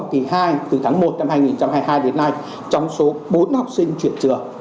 từ tháng một năm hai nghìn hai mươi hai đến nay trong số bốn học sinh truyền trường